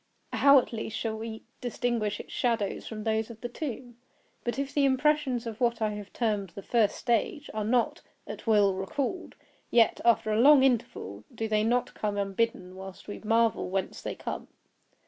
How at least shall we distinguish its shadows from those of the tomb? But if the impressions of what I have termed the first stage are not, at will, recalled, yet, after long interval, do they not come unbidden, while we marvel whence they come?